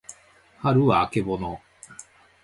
はるはあけぼの